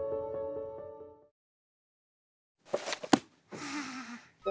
はあ。